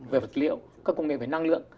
về vật liệu các công nghệ về năng lượng